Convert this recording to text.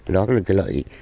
đó là cái lợi ích